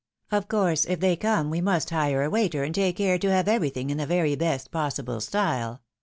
Of course, if they come, we must hire a waiter, and take care to have everything in the very best possible style.